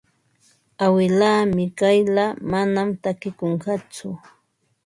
Awilaa Mikayla manam takikunqatsu.